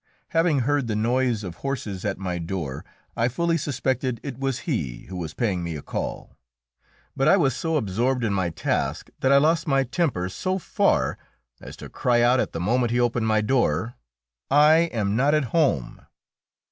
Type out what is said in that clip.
Having heard the noise of horses at my door, I fully suspected it was he who was paying me a call, but I was so absorbed in my task that I lost my temper so far as to cry out, at the moment he opened my door, "I am not at home!"